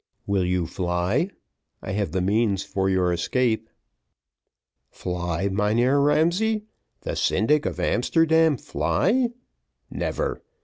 Will you fly? I have the means for your escape." "Fly, Mynheer Ramsay; the syndic of Amsterdam fly? Never!